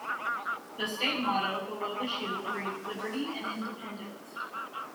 The state motto, below the shield, reads "Liberty and Independence".